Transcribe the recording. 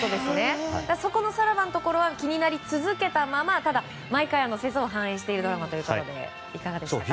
そこのさらばのところが気になり続けたままただ、毎回、世相を反映しているドラマでいかがでしょうか。